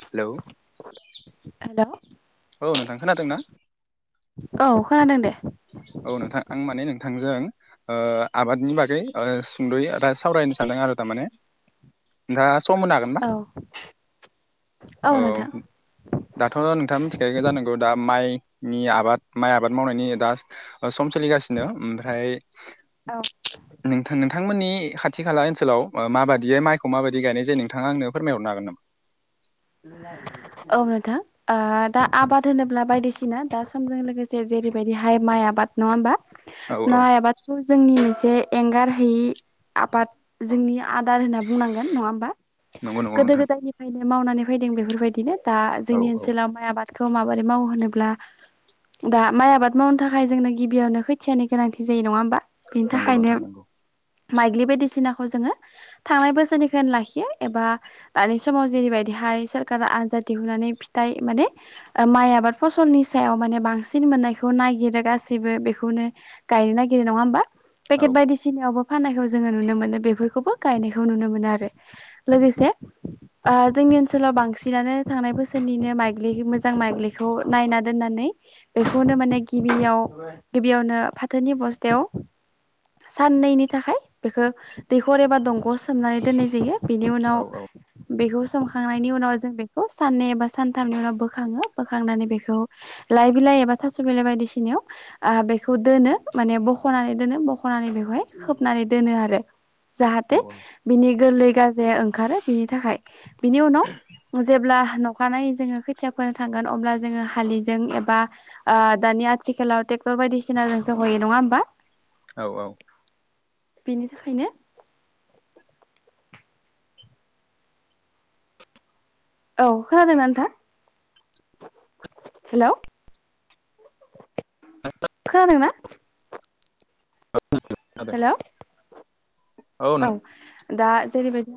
Hello hello औ नोंथां खोनादों ना? औ खोनादों दे। थांजों आबादनि बागै सुंद'यै दा सावरायनो सानदों आरो थारमाने। नोंथास सम होनो हागोनना औ औ दाथ' नोंथाङा मिथि खागौ जानांगौ दा माइनि आबाद माइ आबाद मावनायनि दा सम सोलिगासिनो ओमफ्राय [unintelligible] नोंथां नोंथांमोननि खाथि खाला ओनसोलाव माबायदियै माइखौ माबायदि गायनाय जायो नोंथाङा आंनो फोरमाय हरनो हागोन नामा? [inaudible] औ नोंथां दा आबाद होनोब्ला बायदिसिना दा समजों लोगोसे जेरैबायदिहाय माइ आबाद नङा ओमबा औ औ माइ आबादखौ जोंनिस जे एंगारहैयि आबाद जोंनि आदार होनना बुंनांगोन नङा ओमबा? नंगौ नंगौ गोदो नोंथां गोदायनिफ्रायनो मावनानै फैदों बेफोरबायदिनो दा औ जोंनि औ ओनसोलाव माइ आबाद खौ माबोरै मावो होनोब्ला दा माइ आबाद मावनो थाखाय जोंनो गिबियावनो खोथियानि गोनांथि जायो नङा ओमबा? नंगौ नोंथां नंगौ। माइज्लि बायदिसिनाखौ जोङो थांनाय बोसोरनिखौनो लाखियो एबा दानि समाव जेरैबायदि [unintelligible] दिहुननानै फिथाइ माने माइ आबाद फसलनि सायाव माने बांसिन मोननायखौ नायगिरगासिनो गासैबो बेखौनो गायनो नागिरो नङा होनबा औ पेकेट बायदिसिनायावबो फाननायखौ जोङो नुनो मोनो बेफोरखौबो गायनायखौ नुनो मोनो आरो लोगोसे जों जोंनि ओनसोलाव बांसिनानो थांनाय बोसोरनिनो माइज्लि मोजां माइज्लिखौ नायना दोननानै बेखौनो माने गिबियाव गिबियावनो फाथोनि बस्थायाव साननैनि थाखाय बेखौ दैखर एबा दंग'आव सोमनानै दोननाय जायो। बेनि औ उनाव बेखौ सोमखांनायनि उनाव जों बेखौ साननै एबा सानथामनि उनाव बोखाङो बोखांनानै बेखौ बेखौ लाइ बिलाइ एबा थास' बिलाइ बायदिसिनायाव बेखौ दोनो माने बख'नानै दोनो। बख'नानै बेखौहाय खोबनानै दोनो आरो औ जाहाथे बिनि गोरलै गाजाया ओंखारो बिनि थाखाय बिनि उनाव ब्ला अखानायै जोङो खोथिया फोनो थांगोन अब्ला जोङो हालिजों एबा दानि आथिखाल थिलार ट्रेक्टर बायदिसिनाजोंसो हयो नङा होमबा? औ-औ। बेनि थाखायनो औ खोनादोंना नोंथां? हेल' खोनादोंना? खोनादों हेल' औ दा जेरैबायदि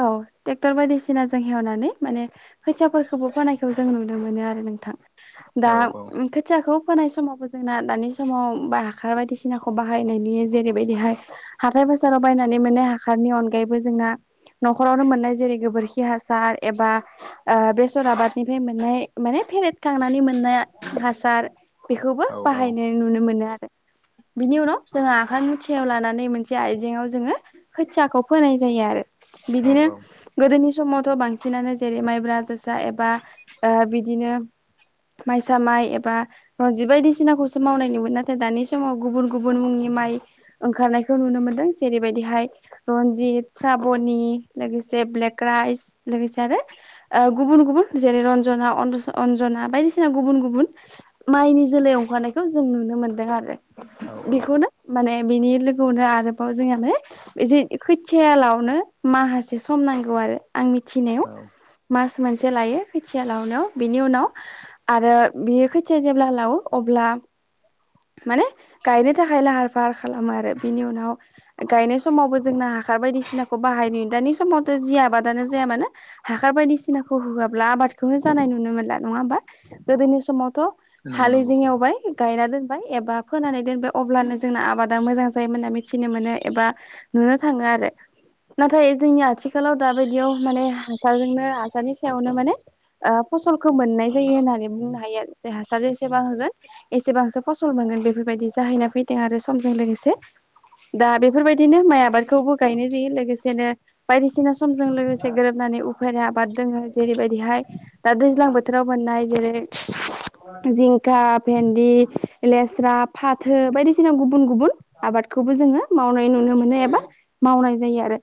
औ ट्रेक्टर बायदिसिना जों हेवनानै माने खोथियाफोरखौबो बोनायखौ जों नुनो मोनो आरो नोंथां औ दा औ खोथियाखौ फोनाय समावबो जोंना दानि समाव बा हाखार बायदिसिनाखौ बाहायनायनि जेरैबायदिहाय हाथाय बाजाराव बायनानै मोननाय हाखारनि अनगायैबो जोंना न'खरावनो मोननाय जेरै गोबोरखि हासार एबा बेसर आबादनिफ्राय मोननाय माने फेरेद खांनानै मोननाय हासार बेखौबो औ बाहायनाय नुनो मोनो आरो बिनि उनाव जोङो आखाइ मुथियाव लानानै मोनसे आइजेंआव जोङो खोथियाखौ फोनाय जायो आरो बिदिनो औ गोदोनि समावथ' बांसिनानो जेरै माइब्रा जोसा एबा बिदिनो [inaudible] माइसा माइ एबा रनजित बायदिसिनाखौसो मावनाय नुयोमोन नाथाय दानि समाव गुबुन गुबुन मुंनि माइ ओंखारनायखौ नुनो मोनदों। जेरैबायदिहाय रन्जित साबनि लोगोसे ब्लेक राइस लोगोसे आरो गुबुन गुबुन जेरै रन्जना अन्जना बायदिसिना गुबुन गुबुन माइनि जा सोलाय ओंखारनायखौ जों नुनो मोनदों आरो औ औ बेखौनो माने बिनि लोगोआवनो आरो औ जोंहाबो इसे खैथियाालावनो माहासे सम नांगौ आरो आं मिथिनायाव औ मास मोनसे लायो खोथिया लावनायाव बिनि उनाव आरो बियो खोथिया जेब्ला लावो अब्ला माने गायनो थाखाय लाहार फाहार खालामो आरो बिनि उनाव गायनाय समावबो जोंना ह हासार बायदिसिनाखौ बाहाय नुयो दानि समावथ' जि आबादानो जाया मानो हाखार बायदिसिनाखौ होआब्ला आबाद खौ जानाय नुनो मोनला नङा होमबा गोदोनि समाव थ नंगौ हालि नंगौ जों एवबाय गायना दोनबाय एबा फोनानै दोनबाय अब्लानो जोंना आबादा मोजां जा जायो मोन होनना मिथिनो मोनो एबा नुनो थाङो आरो नाथाय जोंनि आथिखालाव दााबायदियाव माने हासारजोंनो हासारनि सायावनो माने फसलखौ मोननाय जायो होननानै बुंनो हायो आरो जे हासार जसेबां होगोन एसेबांसो फसल मोनगोन बेफोरबायदि जाहैना फैदों आरो समजों लोगोसे दा बेफोरबायदिनो माइ आबादखौबो गायनाय जायो लोगोसेनो बायदिसिना समजों लोगोसे गोरोबनानै उफेरा आबाद दङो जेरैबायदिहाय दा दैजां बोथो बोथोराव बोननाय जेरै जिंखा भेन्दि लेस्रा फाथो बायदिसिना गुबुन गुबुन आबादखौबो जोङो मावनाय नुनो मोनो, एबा मावनाय जायो आरो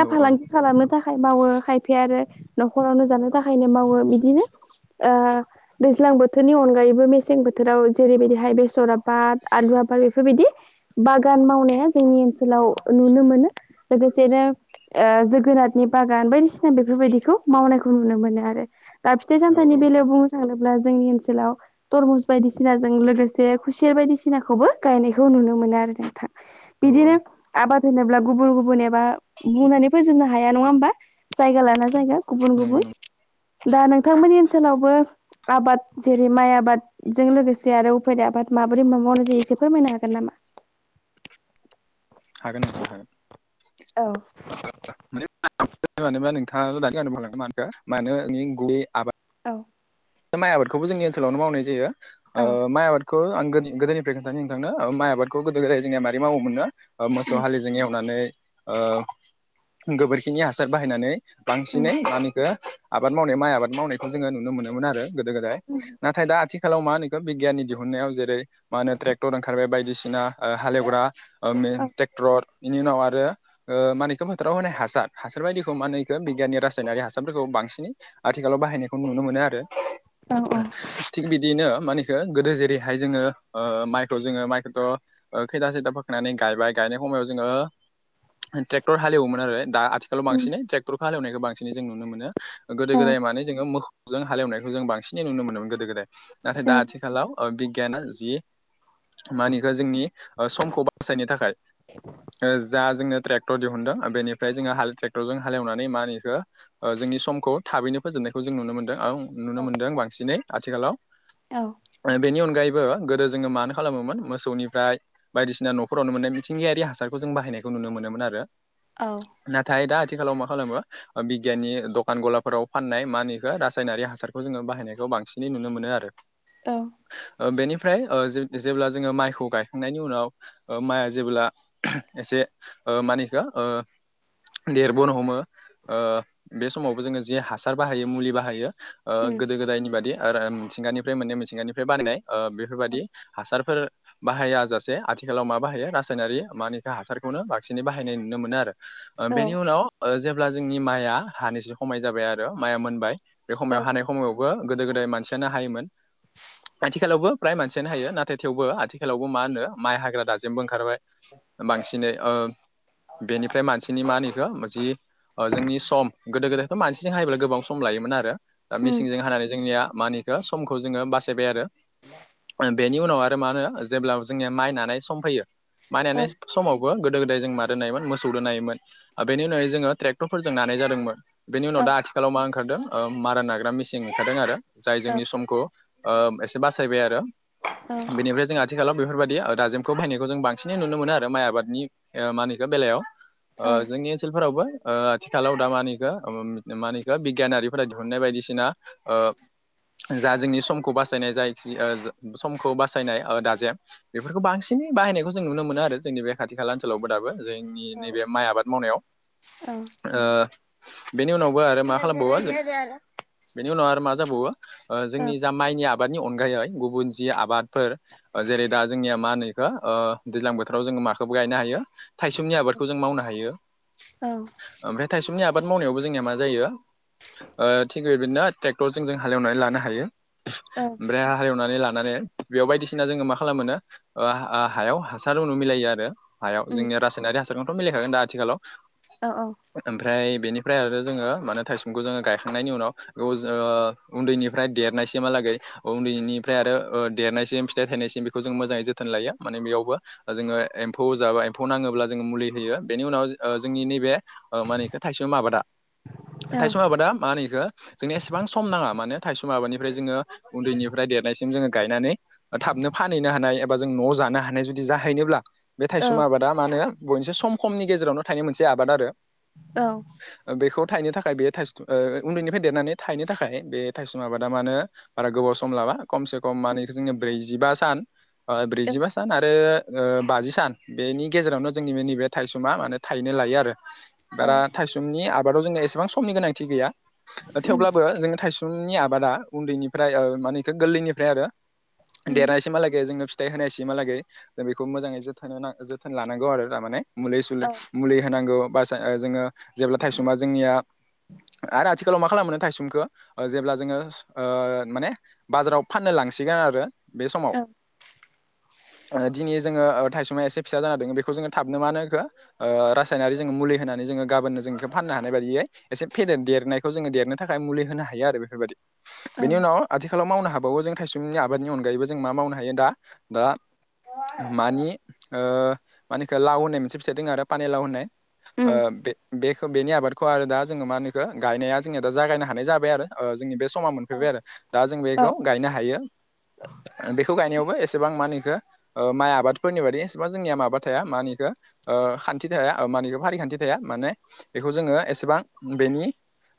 औ फालांगि खालामनो थाखाय मावो खायफाया आरो न'खरावनो जानो थाखायनो मावो बिदिनो। ओ दैज्लां बोथोरनि अनगायैबो मेसें बोथोराव जेरैबायदि हाय बेसर आबाद आलु आबाद बेफोरबायदि बागान मावनाया जोंनि ओनसोलाव नुनो मोनो। मोनो बेसनो ओ जोगोनारनि बागान बायदिसिना बेफोरबायदिखौ मावनायखौ नुनो मोनो आरो। दा फिथाइ सामथाइनि औ बेलायाव बुंनो थाङोब्ला जोंनि ओनसोलाव तरमुस बायदिसिनाजों लोगोसे खुसेर बायदिसिनाखौबो गायनायखौ नुनो मोनो आरो नोंथां औ औ बिदिनो आबाद होनोब्ला गुबुन गुबुन एबा बुंनानै फोजोबनो हाया नङा? होमबा जायगा लाना जायगा गुबुन नंगौ गुबुन नंगौ दा नोंथांमोननि ओनसोलावबो आबाद जेरै माइ आबाद बाद जों लोगोसे आरो उ फेरा आबाद माबोरै म मावनाय जायो एसे फोरमायनो हागोन नामा? हागोन नोंथां हागोन। औ। माने मानोबा नोंथाङा दानि मानो मानो नोंनि गयै आबाद औ दा माइ आबादखौबो जोंनि ओनसोलावनो मावनाय जायो औ ओ माइ आबादखौ आं गोदनिफ्राय खोनथानि नोंथांनो ओ माइ आबादखौ गोदो हाय जोंनिया मारै मावोमोननो ओ मोसौ उम हाललिजों एवनानै ओ गोबोरखिनि हासार बाहायनानै उम बांसिनै मानिखौ आबाद मावनाय माइ आबाद मावनायखौ जोङो नुनो मोनोमोन आरो। गोदो गोदाय नाथाय दा आथिखालाव मा होनोखो बिगियाननि दिहुनन्नायाव जेरै मा होनो ट्रेक्टर ओंखारबाय बायदिसिना। सिना हालेवग्रा औ ट्रेक्टर बेनि उनाव आरो ओ मा होनो बिखौ फोथाराव होनाय हासार हासार बायदिखौ माहोनो बिखौ ओ बिगियाननि रासायनारि हासारफोरखौ बा बांसिनै आथिखालाव बाहायनायखौ नुनो मोनो आरो औ औ थिग बिदिनो मानिखो गोदो जेरैहाय जोङो ओ माइखौ जोङो माइखौथ' खै खैथा बोखांनानै गायबाय ग गायनाय खमायाव जोङो टेक्चर हाले एवोमोन आरो। आथिखालाव औ बांसिनै ट्रेक्टरखौ हालेवनायखौ बांसिन जों नुनो मोनो गोदो औ गोदाय माने जोंङो हालेवनायखौ खौ जों बांसिनै नुनो मोनोमोन गोदो गोदाय नाथाय दा आथिखालाव ओ बिगियाना जि मा होनो इखो ओ जोंनि समखौ बासायनो थाखाय ओ जा जोंनो ट्रेक्टर दिहुनदों बेनिफ्राय जोङो ट्रेक्टरजों हालेवनानै माहोनोइखो जोंनि समखौ थाबैनो फोजोब नायखौ जों नुनो मोनदों औ बांसिनै आथिखालाव ओ बेनि अनगै अनगायै गोदो जोङो मानो खालामोमोन मोसौनिफ्राय बायदिसिना न'खरावनो मोननाय मिथिंगायारि हासारखौ जों बाहानाय खौ नुनो मोनोमोन आरो औ नाथाय दा आ आथिखालाव मा खालामो बिगियाननि दखान गलाफोराव फाननाय माहोनोइखो रासायनारि हास हासारखौ जोङो बाहायनायखौ बांसिनै नुनो मोनो आरो। औ। बेनिफ्राय ओं जों जेब्ला जोङो माइखौ गायखांनायनि उनाव ओं माइआ जेब्ला एसे ओं मा होनो बेखौ ओं देरबोनो हमो ओं बे समावबो जोङो जे हासार बाहायो, मुलि बाहायो ओं उम गोदो गोदायनि बादि आरो मिथिंगानिफ्राय मोननाय मिथिंगानिफ्राय बानायनाय ओं बेफोरबादि हासारफोर बाहाया जासे आथिखालाव मा बाहायो रासायनारि मा होनो बेखौ हासारखौनो बांसिनै बाहायनाय नुनो मोनो आरो। ओं औ औ बेनि उनाव ओं जेब्ला जोंनि माइआ हानैसो हमाय जाबाय आरो माइआ मोनबाय बे हमायाव हानाय समायावबो गोदो गोदाय मानसियानो हायोमोन। आथिखालावबो फ्राय मानसियानो हायो नाथाय थेवबो आथिखालावबो मा होनो माइ हाग्रा दाजेनमबो ओंखारबाय। बांसिनै ओं बेनिफ्राय मानसिनि मानि जि जोंनि सम गोदो गोदायथ' मानसिजों हायोब्ला गोबां सम लायोमोन आरो। दा उम मिसिनजों हानानै जोंनिया मा होनो बेखौ समखौ जोङो बासायबाय आरो बे बेनि उनाव आरो मा होनो जेब्ला जोंनिया माइ नानाय सम फैयो माइ नानाय औ समाव गोदो गोदाय जों मादों नायोमोन मोसौजों नायोमोन आरो बेनि उनावै जोङो ट्रेक्टरफोरजों नानाय जादोंमोन। बेनि उनाव औ दा आथिखालाव मा ओंखारदों ओं मारा नाग्रा मेसिन ओंखारदों आरो जाय औ जोंनि समखौ ओं एसे बासायबाय आरो औ बेनिफ्राय जों आथिखालाव बेफोरबायदि दाजेमखौ बाहायनायखौ जों बांसिनै नुनो मोनो आरो माइ आबादनि ओं मा होनो बेखौ बेलायाव औ ओं जोंनि ओनसोलफोरावबो ओं आथिखालाव दा मा होनो बेखौ मा होनो बेखौ बिगियानारिफोरा दिहुननाय बायदिसिना ओ जा जोंनि समखौ बास सायनाय जाय समखौ बासायनाय ओं दाजेम बेफोरखौ बांसिनै बाहायनायखौ जों नुनो मोनो आरो जों जोंनि बे खाथि खाला ओनसोलावबो दाबो जोंनि नैबे माइ आबाद मावनायाव औ ओं बेनि उनावबो आरो मा खालामबावो जों बेनि उनाव आरो मा जाबावो ओं जोंनि जा माइनि आबाद आबादनि अनगायै गुबुन जि आबादफोर जेरै दा जोंनिया मा होनो बेखौ ओं दैज्लां बोथोराव जोङो गायनो हायो थाइसुमनि आबादखौ जों मावनो हायो औ ओमफ्राय थाइसुमनि आबाद आबाद मावनायावबो जोंनिया मा जायो ओं थिगबायदिनो ट्रेक्टरजों जों हालेवनानै लानो हायो। ओमफ्राय हाल एवनानै ला लानानै बेयाव बायदिसिना जोङो मा खालामो नो ओं हा-हायाव हासार उनाव मिलायो आरो हायाव उम औ जोंनि रासायनारि हासारखौथ' मिलायखागोन दा आथिखालाव औ ओमफ्राय बेनिफ्राय आरो जोङो माने थाइसुमखौ जोङो गायखांनायनि उनाव बेखौ जों उन्दैनिफ्राय देरनायसिमहालागै उन्दैनिफ्राय आरो ओं देरनायसिम फिथाइ थाय थानासिम बेखौ जों मोजाङै जोथोन लायो माने बेयावबो जोङो एम्फौ जाबाय एम्फौ नाङोब्ला जों मुलि होयो। बेनि उनाव जोंनि नैबे मा होनो बेखौ थाइसुम आबादा थाइसुम औ आबादा मा होनो बेखौ जोंनो एसेबां सम नाङा माने थायसुम आबादनिफ्राय जोङो उन्दैनिफ्राय देरनायसिम जोङो गायनानै थाबनो फानहैनो हानाय एबा जों न' जानो हानाय जुदि जाहैनोब्ला बे थाइसुम आबादा मा होनो बयनिफ्राय सम खमनि गेजेरावनो थाइनाय मोनसे आबाद आरो औ बेखौ थायनो थाखाय बे थाइसुम ओ उन्दैनि देरनानै थाइनो थाखाय बे थायसुम आबादा मा होनो बारा गोबाव सम लाबा खमसे खम मा होनो जोंनिया बेखौ ब्रै जिबा सान ओ ब्रैजिबा सान आरो ओ बाजि सान बेनि गेजेरावनो जोंनि बे नैबे थाइसुमा माने थाइैनो लायो आरो बारा थायसुमनि आबादाव जोङो एसेबां समनि गोनांथि गैया उम थेवब्लाबो जोङो थायसुम थाइसुमनि आबादा उन्दैनिफ्राय मानेखौ गोरलैनिफ्राय आरो उम देरनायसिमहालागै जोंनो फिथाइ होनायसिमहालागै जों बेखौ मोजाङै जोथोन होनांगौ जोथोन लानांगौ आरो थारमाने मुलि सुलि औ मुलि होनांगौ बा जोङो जेब्ला थाइसुमा जोंनिया आरो आथिखालाव मा खालामो थायसुमखौ जेब्ला जोङो ओं माने बाजाराव फाननो लांसिगोन आरो बे समाव औ दिनै जोङो ओं थायसुमा एसे फिसा जानानै दङ बेखौ जोङो थाबनो मा होनो बेखौ रासायनारि जोङो मुलि होनानै जोङो गाबोननो जों बेखौ फाननो हानाय बायदियै एसे फेदेर देरनाय जोङो देरनो थाखाय मुलि होनो हायो आरो बेफोरबायदि बेनि उनाव आथिखालाव मावनो हायो हाबावो जों थायसुमनि आबादनि अनगायैबो जों मा मावनो हायो दा दा मानि ओ मानिखौ लाव होननाय मोनसे फिथाइ दङ आरो पानि लाव होननाय उम ओ बे-बे-बेनि आबादखौ आरो दा जोङो मा नोखो गायनाया जोंनिया दा जागायनो हानाय जाबाय आरो जोंनि बे समा मोनफैबाय आरो औ दा जों औ बेखौ गायनो हायो बेखौ गायनायाव एसेबां मा होनो इखो माइ आबादफोरनि बायदि एसेबां जोंनिया माबा थाया मा होनो इखो खान्थि थाया [unintelligible] फारिखान्थि थाया माने बेखौ जोङो एसेबां बेनि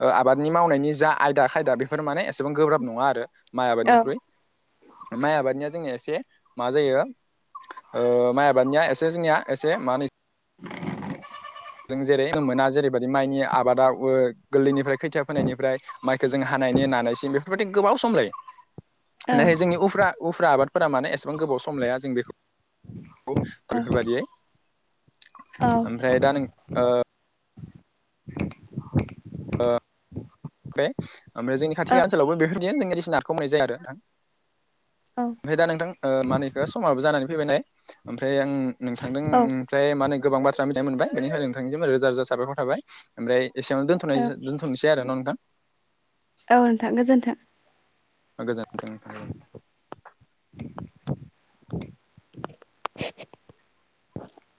ओ आबादनि मावनायनि जा आयदा खायदा बेफोर माने एसे एसेबां गोब्राब नङा आरो माइ आबादनिख्रुइ माइ आबादनिया जोंनिया एसे मा जायो ओ माइ आबादनिया एसे जोंनिया एसे [unintelligible] जों जेरै मोना जेरैबायदि माइनि आबादा गोरलैनिफ्राय खैथिया फोनायनिफ्राय माइखौ जों हानायनि नानायसिम बेफोरबायदि गोबाव सम लायो। औ नाय जोंनि उफ्रा उफ्रा आबादफोरा माने एसेबां गोबाव सम लाया जों बेखौ औ गोसोबादियै औ ओ ओ [unintelligible] ओमफ्राय जोंनि खाथि ओनसोलावबो बेफोर [unintelligible] औ ओमफ्राय दा नोंथां ओ मा होनो इखो समाबो जाना फैबाय ओमफ्राय आं नोंथांदों औ ओमफ्राय माने गोबां बाथ्रा मिथिनाय मोनबाय बेनिफ्राय नोंथांनि रोजा रोजााबायर थाबाय ओमफ्राय एसेयावनो दोनथ'नाय दोनथ'नोसै आरो न' औ नोंथां गोजोनथों। गोजोन्थों नोंथां औ। [unintelligible]